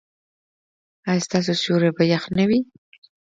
ایا ستاسو سیوري به يخ نه وي؟